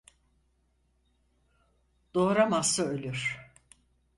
Doğuramazsa ölür.